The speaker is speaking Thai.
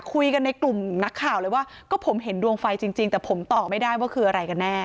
คุยกันในกลุ่มนักข่าวเลยว่าก็ผมเห็นดวงไฟจริงแต่ผมตอบไม่ได้ว่าคืออะไรกันแน่